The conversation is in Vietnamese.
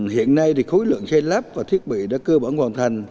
hiện nay thì khối lượng xây lắp và thiết bị đã cơ bản hoàn thành